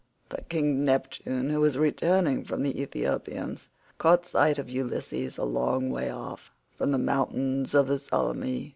But King Neptune, who was returning from the Ethiopians, caught sight of Ulysses a long way off, from the mountains of the Solymi.